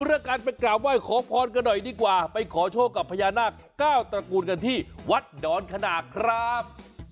เรื่องการไปกราบไหว้ขอพรกันหน่อยดีกว่าไปขอโชคกับพญานาคเก้าตระกูลกันที่วัดดอนขนาดครับ